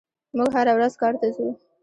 موږ هره ورځ کار ته ځو.